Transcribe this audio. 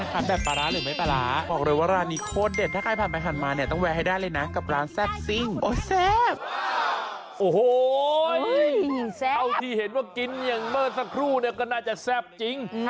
คลุมอะไรก็น่าจะแซ่บจริง